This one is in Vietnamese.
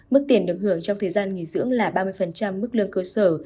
mức tiền được hưởng trong thời gian nghỉ dưỡng là ba mươi mức lương cơ sở